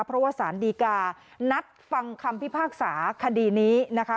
เพราะว่าสารดีการัดฟังคำพิพากษาคดีนี้นะคะ